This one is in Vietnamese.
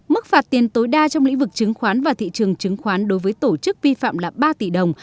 mức phạt tiền tối đa trong lĩnh vực chứng khoán và thị trường chứng khoán đối với tổ chức vi phạm là ba tỷ đồng